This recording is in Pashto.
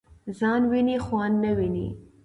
ځان وینی خوان نه ويني .